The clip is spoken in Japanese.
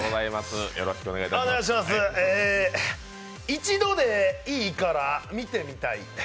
一度でいいから見てみたい。